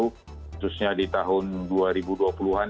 khususnya di tahun dua ribu dua puluh an